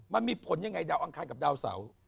มันมีผลยังไงดาวอังคารกับดาวเสา